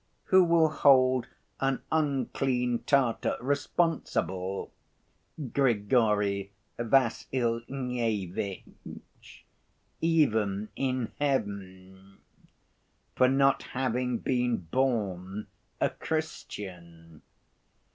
Who will hold an unclean Tatar responsible, Grigory Vassilyevitch, even in heaven, for not having been born a Christian?